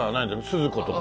「スズコ」とか。